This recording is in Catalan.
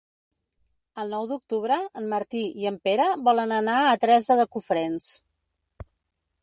El nou d'octubre en Martí i en Pere volen anar a Teresa de Cofrents.